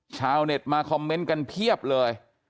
ชาวเน็ตมาคอมเมนต์กันเพียบเลย